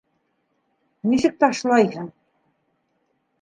Нисек ташлайһың?